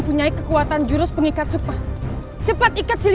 supaya nyima serati cepat sadar